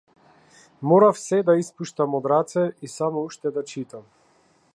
Морав сѐ да испуштам од раце и само уште да читам.